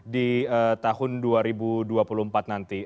di tahun dua ribu dua puluh empat nanti